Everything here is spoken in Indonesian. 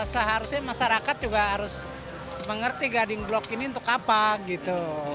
seharusnya masyarakat juga harus mengerti guiding block ini untuk apa gitu